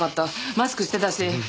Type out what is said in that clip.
マスクしてたし。